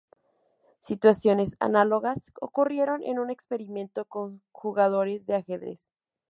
Situaciones análogas ocurrieron en un experimento con jugadores de ajedrez.